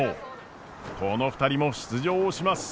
この２人も出場します！